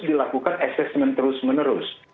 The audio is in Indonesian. dilakukan assessment terus menerus